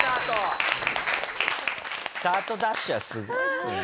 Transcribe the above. スタートダッシュはすごいですね。